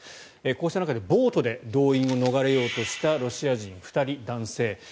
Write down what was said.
こうした中でボートで動員を逃れようとしたロシア人男性２人。